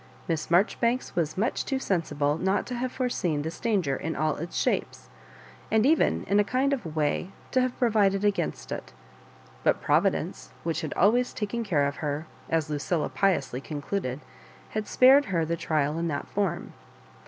Miss Marjoribanks was much too sensible not to have foreseen this danger in all its shapes, and even in a kind of a way to have provided agamst it But Pro vidence, which had always taken care of her, as Lucilla piously concluded, had spared her the trial in that fonn.